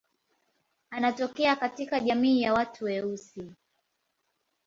Anatokea katika jamii ya watu weusi.